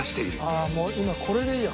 ああもう今これでいいや。